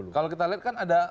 kalau kita lihat kan ada